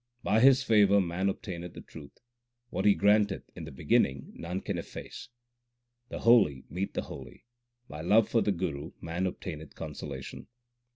By His favour man obtaineth the truth ; what He granteth in the beginning none can efface. The holy meet the holy ; by love for the Guru man obtaineth consolation.